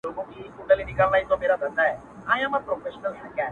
دا ځلي غواړم لېونی سم د هغې مینه کي,